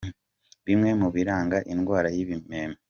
Bimwe mu biranga indwara y’ibimeme :.